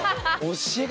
教え方